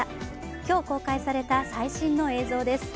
今日公開された最新の映像です。